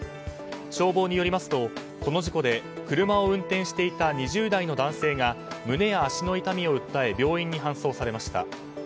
消防によりますとこの事故で、車を運転していた２０代の男性が胸や足の痛みを訴え病院に搬送されました。